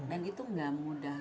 dan itu gak mudah